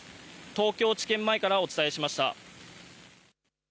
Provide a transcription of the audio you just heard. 東京地検前からお伝えしました。